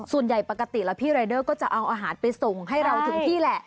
ส่วนใหญ่ปกติแล้วพี่รายเดอร์ก็จะเอาอาหารไปส่งให้เราถึงที่แหละ